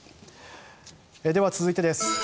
では続いてです。